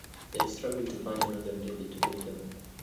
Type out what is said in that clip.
They struggled to find another label to pick them up.